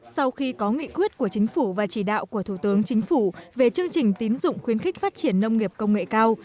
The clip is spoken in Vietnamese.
sau khi có nghị quyết của chính phủ và chỉ đạo của thủ tướng chính phủ về chương trình tín dụng khuyến khích phát triển nông nghiệp công nghệ cao